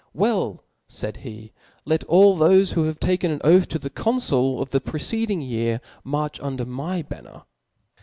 " Well^ faid he, let all tbofe who have taken an oath to the Conful of the preceding year^ march under my ban* 0)Livy, " ner ()."